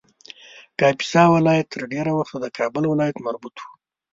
کاپیسا ولایت تر ډېر وخته د کابل ولایت مربوط و